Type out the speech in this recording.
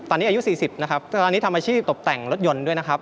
ตอนนี้อายุ๔๐นะครับตอนนี้ทำอาชีพตกแต่งรถยนต์ด้วยนะครับ